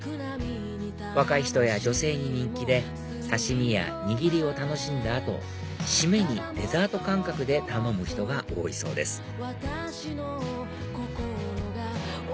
若い人や女性に人気で刺し身やにぎりを楽しんだ後締めにデザート感覚で頼む人が多いそうです